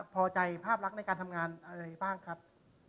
พอใจภาพลักษณ์ในการทำงานอะไรบ้างครับ